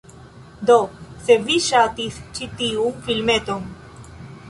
Do, se vi ŝatis ĉi tiun filmeton